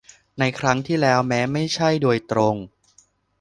ในครั้งที่แล้วแม้ไม่ใช่โดยตรง